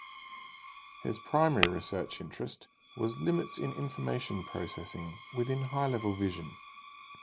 His primary research interest was limits in information processing within high-level vision.